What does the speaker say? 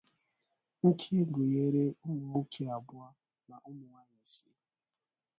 nke gụnyere ụmụnwoke abụọ na ụmụnwaanyị ise